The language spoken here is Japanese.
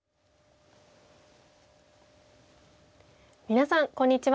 皆さんこんにちは。